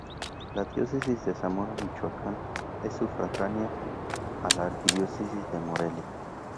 La Diócesis de Zamora, Michoacán es sufragánea a la Arquidiócesis de Morelia.